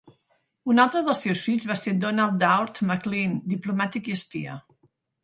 Un altre dels seus fills va ser Donald Duart Maclean, diplomàtic i espia.